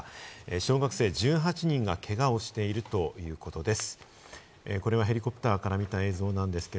小学生１８人がけがをしているということです。